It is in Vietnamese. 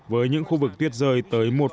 với những khu vực tuyết rơi tới một hai mét